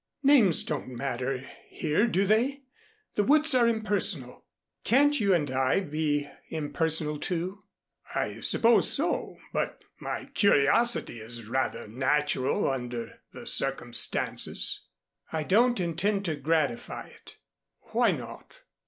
"Names don't matter here, do they? The woods are impersonal. Can't you and I be impersonal, too?" "I suppose so, but my curiosity is rather natural under the circumstances." "I don't intend to gratify it." "Why not?